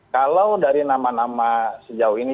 kalau dari nama nama sejauh ini